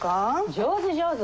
上手上手。